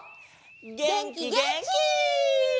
げんきげんき！